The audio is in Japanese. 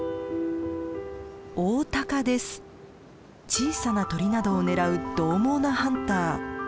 小さな鳥などを狙うどう猛なハンター。